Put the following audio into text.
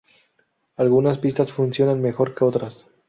Algunas pistas funcionan mejor que otras.